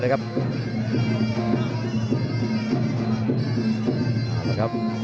ยังหนาครับ